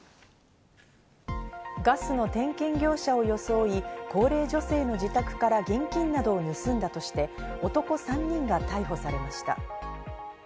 ガスの点検業者を装い高齢女性の自宅から現金などを盗んだとして、男３人が逮捕されました。